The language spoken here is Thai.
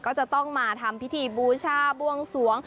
ก็จะต้องมาทำพิธีบูชาบวงสวง